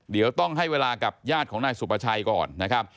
เดี๋ยวต้องให้เวลากับยาดของนายสุปชัยก่อน